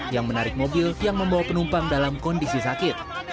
yang menarik mobil yang membawa penumpang dalam kondisi sakit